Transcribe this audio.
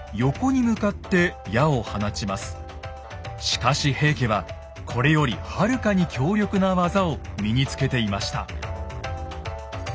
しかし平家はこれよりはるかに強力な技を身につけていました。